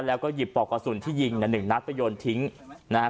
แล้วก็หยิบปอกกระสุนที่ยิงเนี่ยหนึ่งนัดไปโยนทิ้งนะฮะ